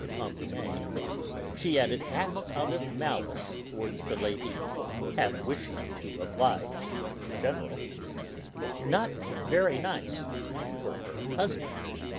de Cambremer, she added, half out of malice towards the lady, half wishing to oblige the General: "Not very nice... for her husband!